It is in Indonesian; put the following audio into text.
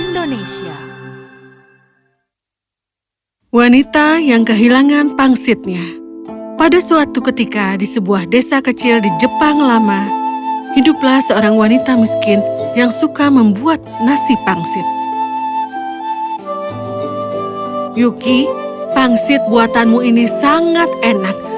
dongeng bahasa indonesia